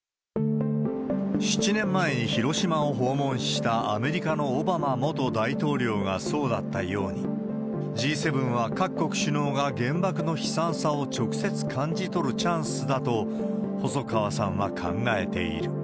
７年前に広島を訪問した、アメリカのオバマ元大統領がそうだったように、Ｇ７は各国首脳が原爆の悲惨さを直接感じ取るチャンスだと、細川さんは考えている。